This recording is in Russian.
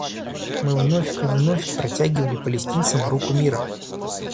Мы вновь и вновь протягивали палестинцам руку мира.